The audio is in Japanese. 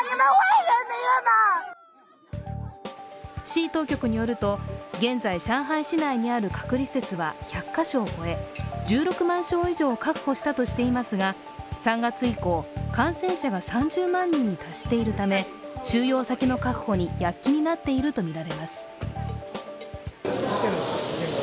市当局によると、現在、上海市内にある隔離施設は１００カ所を超え、１６万床以上確保したとしていますが３月以降、感染者が３０万人に達しているため収容先の確保に躍起になっているとみられます。